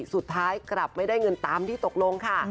สุดท้ายกลับไม่ได้เงินตามที่ตกลงค่ะ